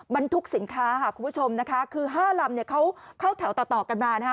บรรทุกสินค้าค่ะคุณผู้ชมนะคะคือ๕ลำเนี่ยเขาเข้าแถวต่อต่อกันมานะคะ